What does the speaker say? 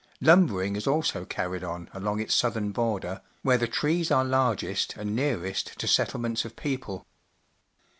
Lumbering is also carried on along its southern border, where the trees are largest and nearest to settlements of people.